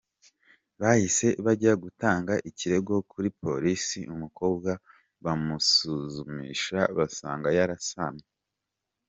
Bahise bajya gutanga ikirego kuri polisi, umukobwa bamusuzumishije basanga yarasamye.